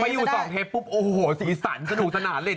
อยู่สองเทปปุ๊บโอ้โหสีสันสนุกสนานเลย